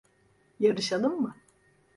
Yarışalım mı?